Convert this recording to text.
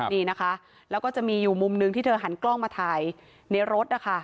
นี่นะคะแล้วก็จะมีอยู่มุมหนึ่งที่เธอหันกล้องมาถ่ายในรถนะคะ